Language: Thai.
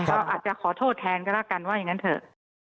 ก็อาจจะขอโทษแทนก็แล้วกันว่าอย่างนั้นเถอะ